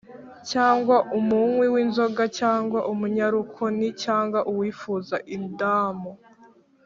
cyangwa umunywi w’inzoga cyangwa umunyarukoni cyangwa uwifuza indamu